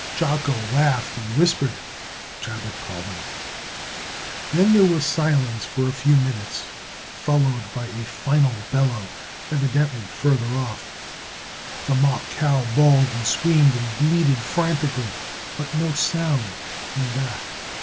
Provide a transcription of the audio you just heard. Jocko laughed and whispered, "Chabot call him." Then there was silence for a few minutes, followed by a final bellow, evidently further off. The mock cow bawled and screamed and bleated frantically, but no sound came back.